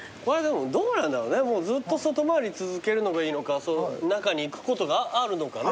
どうなんだろうねずっと外回り続けるのがいいのか中に行くことがあるのかね。